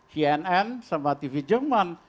cnn sama tv jerman